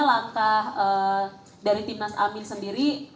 langkah dari tim nas amin sendiri